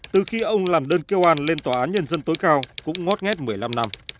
từ khi ông làm đơn kêu an lên tòa án nhân dân tối cao cũng ngót nghét một mươi năm năm